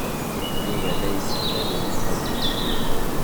Yuba la yesseflad i Nna Faḍma.